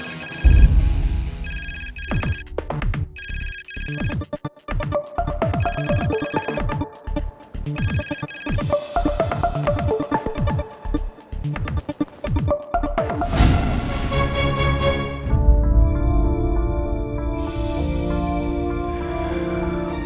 tidak ada pengetahuan